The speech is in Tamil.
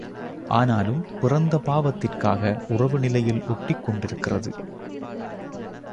ஆனாலும் பிறந்த பாவத்திற்காக உறவு நிலையில் ஒட்டிக் கொண்டிருக்கிறது.